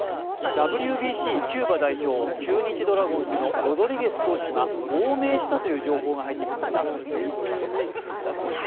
ＷＢＣキューバ代表、中日ドラゴンズのロドリゲス投手が亡命したというニュースが入ってきました。